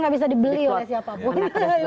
bisa dibeli oleh siapapun